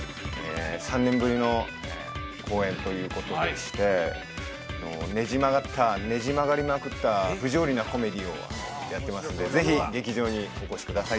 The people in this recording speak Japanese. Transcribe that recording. ３年ぶりの公演ということでしてねじ曲がったねじ曲がりまくった不条理なコメディーをやってますのでぜひ劇場にお越しください